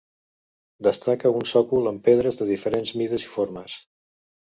Destaca un sòcol amb pedres de diferents mides i formes.